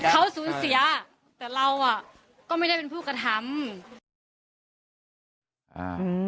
เขาสูญเสียแต่เราอ่ะก็ไม่ได้เป็นผู้กระทำ